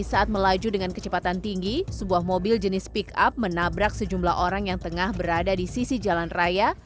saat melaju dengan kecepatan tinggi sebuah mobil jenis pick up menabrak sejumlah orang yang tengah berada di sisi jalan raya